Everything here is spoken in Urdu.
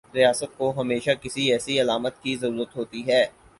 ریاست کو ہمیشہ کسی ایسی علامت کی ضرورت ہوتی ہے۔